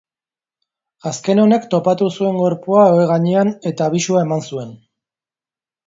Azken honek topatu zuen gorpua ohe gainean eta abisua eman zuen.